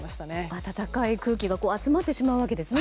暖かい空気が集まってしまうわけですね。